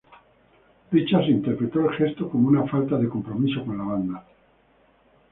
Richards interpretó el gesto como una falta de compromiso con la banda.